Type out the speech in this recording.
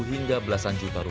hingga belasan juta rupiah